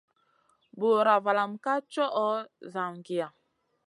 Bùra valam ma tchoho zangiya.